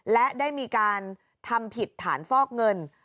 และได้มีการทำผิดฐานฟอกเงิน